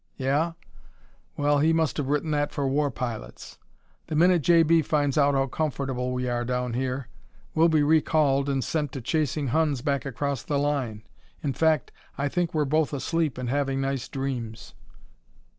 Yeah? Well, he must have written that for war pilots. The minute J.B. finds out how comfortable we are down here we'll be recalled and sent to chasing Huns back across the line. In fact, I think we're both asleep and having nice dreams."